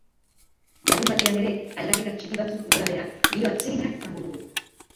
Larunbatean ere, aldaketa txiki batzuk gora behera, giro atsegina izango dugu.